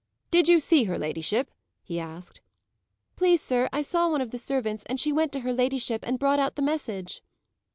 "Did you see her ladyship?" he asked. "Please, sir, I saw one of the servants, and she went to her ladyship, and brought out the message."